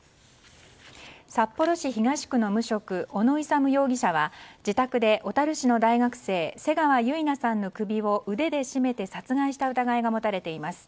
札幌市東区の無職、小野勇容疑者は自宅で小樽市の大学生瀬川結菜さんの首を腕で絞めて殺害した疑いが持たれています。